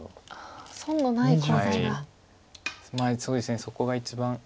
そこが一番。